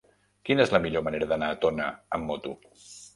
Quina és la millor manera d'anar a Tona amb moto?